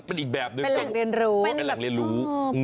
เป็นแหล่งเรียนรู้